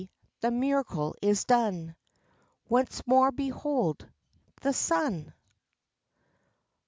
the miracle is done! Once more behold! The Sun!